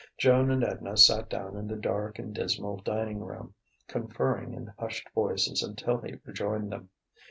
Joan and Edna sat down in the dark and dismal dining room, conferring in hushed voices until he rejoined them.